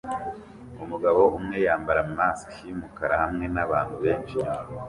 umugabo umwe yambara mask yumukara hamwe nabantu benshi inyuma